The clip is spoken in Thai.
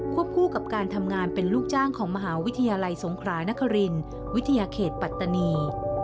คู่กับการทำงานเป็นลูกจ้างของมหาวิทยาลัยสงครานครินวิทยาเขตปัตตานี